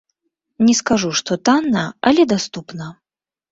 Не скажу, што танна, але даступна.